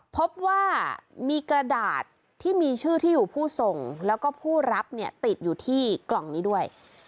พบว่ามีกระดาษที่มีชื่อที่อยู่ผู้ส่งแล้วก็ผู้รับเนี่ยติดอยู่ที่กล่องนี้ด้วย